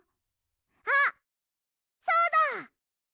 あっそうだ！